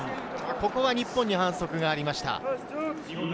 ここは日本に反則がありました。